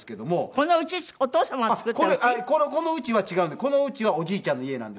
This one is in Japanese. この家は違うんでこの家はおじいちゃんの家なんですけど。